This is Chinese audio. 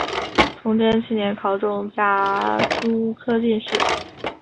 崇祯七年考中甲戌科进士。